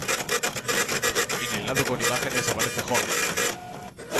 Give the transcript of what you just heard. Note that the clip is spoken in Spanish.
En el lado con imágenes aparece Horn.